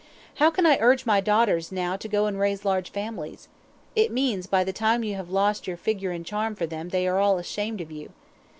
How can I urge my daughters now to go and raise large families? It means by the time you have lost your figure and charm for them they are all ashamed of you.